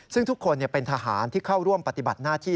ซึ่งทุกคนเป็นทหารที่เข้าร่วมปฏิบัติหน้าที่